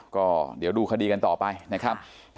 ก็เดี๋ยวดูคดีกันต่อไปนะครับ